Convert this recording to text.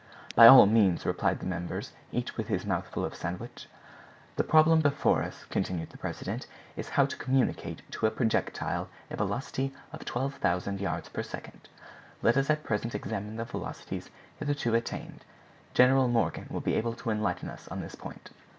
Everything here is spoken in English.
"By all means," replied the members, each with his mouth full of sandwich. "The problem before us," continued the president, "is how to communicate to a projectile a velocity of 12,000 yards per second. Let us at present examine the velocities hitherto attained. General Morgan will be able to enlighten us on this point."